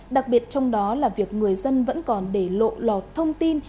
đặc biệt trong đó là việc người dân vẫn còn để lộ lọt thông tin